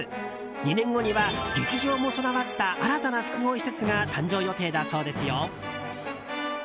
２年後には劇場も備わった新たな複合施設が誕生予定だそうですよ。